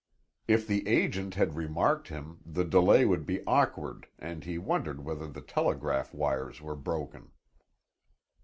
If the agent had remarked him, the delay would be awkward and he wondered whether the telegraph wires were broken.